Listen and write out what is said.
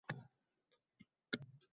Tongda turib, kutib oldik